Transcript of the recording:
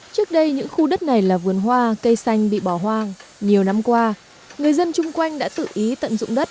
trước đây những khu đất này là vườn hoa cây xanh bị bỏ hoang nhiều năm qua người dân chung quanh đã tự ý tận dụng đất